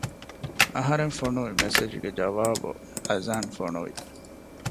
އަހަރެން ފޮނުވި މެސެޖްގެ ޖަވާބު އަޒާން ފޮނުވި